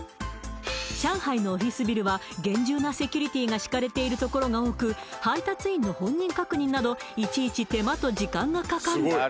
上海のオフィスビルは厳重なセキュリティが敷かれているところが多く配達員の本人確認などいちいち手間と時間がかかる